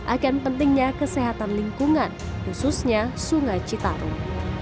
akan pentingnya kesehatan lingkungan khususnya sungai citarum